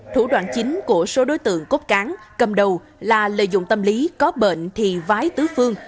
thủ đoạn chính của số đối tượng cốt cán cầm đầu là lợi dụng tâm lý có bệnh thì vái tứ phương